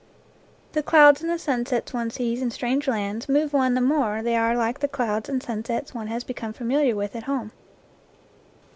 The clouds and the sunsets one sees in strange lands move one the more they are like the clouds and sun sets one has become familiar with at home.